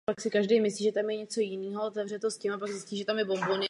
Nadto tyto náklady musí nést také evropští daňoví poplatníci.